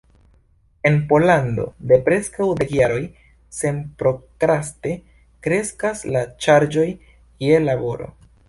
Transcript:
En Pollando de preskaŭ dek jaroj senprokraste kreskas la ŝarĝoj je laboro.